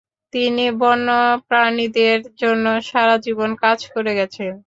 তিনি বন্যপ্রাণীদের জন্য সারা জীবন কাজ করে গেছেন।